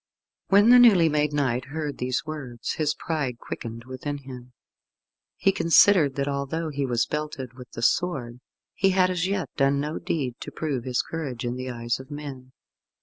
When the newly made knight heard these words his pride quickened within him. He considered that although he was belted with the sword, he had as yet done no deed to prove his courage in the eyes of men.